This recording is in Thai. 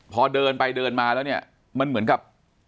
พอเดินไปเดินมาแล้วเนี่ยมันเหมือนกับ